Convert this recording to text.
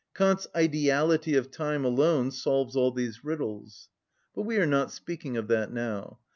Kant's ideality of time alone solves all these riddles. But we are not speaking of that now.